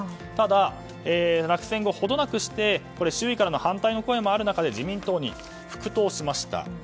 ただ、落選後ほどなくして周囲からの反対の声もある中で自民党に復党しました。